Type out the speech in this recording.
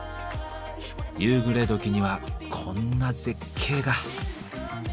夕暮れ時にはこんな絶景が。